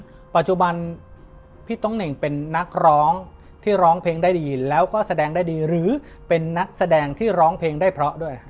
ปัจจุบันพี่โต๊งเหน่งเป็นนักร้องที่ร้องเพลงได้ดีแล้วก็แสดงได้ดีหรือเป็นนักแสดงที่ร้องเพลงได้เพราะด้วย